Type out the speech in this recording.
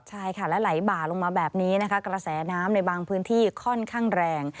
ใช่ค่ะและไหลบ่าลงมาแบบนี้นะคะกระแสน้ำในบางพื้นที่ค่อนข้างแรง